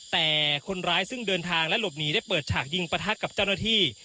แต่คนร้ายซึ่งเดินทางและหลบหนีได้เปิดฉากยิงประทัดกับเจ้าหน้าที่